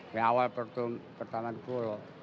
yang awal pertama di kulo